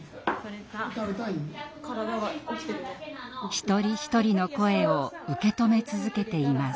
一人一人の声を受け止め続けています。